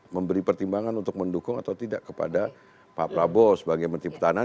memberi pertimbangan untuk mendukung atau tidak kepada pak prabowo sebagai menteri pertahanan